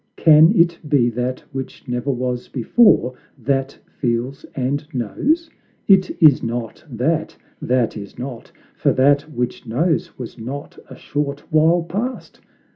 Can it be that which never was before That feels and knows? It is not that, that is not, For that which knows was not a short while past!